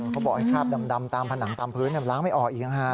เขาบอกไอ้คราบดำตามผนังตามพื้นล้างไม่ออกอีก